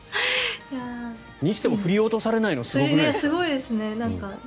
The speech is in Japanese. にしても振り落とされないのすごくないですか？